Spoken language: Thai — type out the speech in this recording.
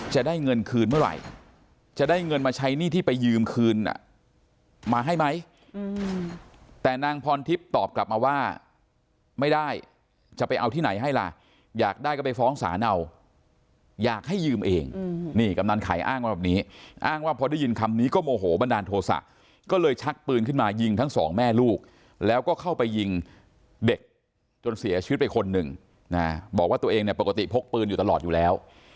จะได้เงินคืนเมื่อไหร่จะได้เงินมาใช้หนี้ที่ไปยืมคืนอ่ะมาให้ไหมแต่นางพรทิพย์ตอบกลับมาว่าไม่ได้จะไปเอาที่ไหนให้ล่ะอยากได้ก็ไปฟ้องสาเนาอยากให้ยืมเองนี่กำลังขายอ้างว่าแบบนี้อ้างว่าพอได้ยินคำนี้ก็โมโหบันดาลโทษะก็เลยชักปืนขึ้นมายิงทั้งสองแม่ลูกแล้วก็เข้าไปยิงเด็กจนเสียชีวิตไปคนหนึ